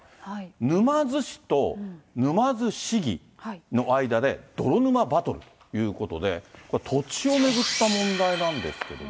沼津市と沼津市議の間で、泥沼バトルということで、土地を巡った問題なんですけれども。